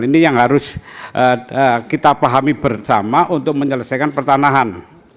ini yang harus kita pahami bersama untuk menyelesaikan pertanahan